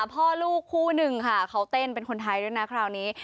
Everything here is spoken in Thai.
พ่อลูกคู่หนึ่งค่ะเขาเต้นเป็นคนไทยด้วยนะคราวนี้